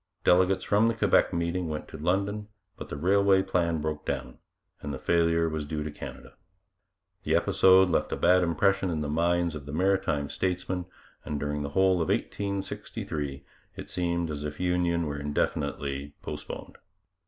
Delegates from the Quebec meeting went to London, but the railway plan broke down, and the failure was due to Canada. The episode left a bad impression in the minds of the maritime statesmen, and during the whole of 1863 it seemed as if union were indefinitely postponed.